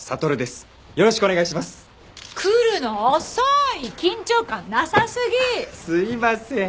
すいません。